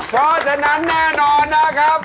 เพราะฉะนั้นแน่นอนนะครับ